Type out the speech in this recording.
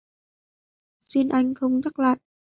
Xin anh không nhắc lại